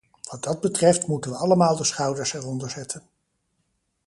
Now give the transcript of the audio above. Wat dat betreft moeten we allemaal de schouders eronder zetten.